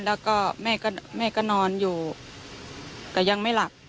แล้วก็แม่ก็นอนอยู่แต่ยังไม่หลับ